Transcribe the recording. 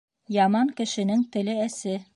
Яман кешенең теле әсе.